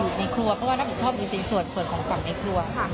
อยู่ในครัวก็ว่าน้องชอบดูสินส่วนส่วนของฝั่งในครัว